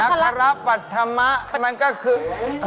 พระปัธมะมันก็คือ